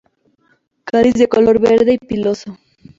Cáliz de color verde y piloso.